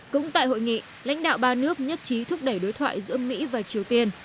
cũng tại hội nghị lãnh đạo ba nước nhất trí thúc đẩy đối thoại giữa mỹ và triều tiên